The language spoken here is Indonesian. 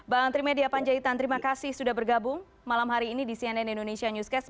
bang trimedia panjaitan terima kasih sudah bergabung malam hari ini di cnn indonesia newscast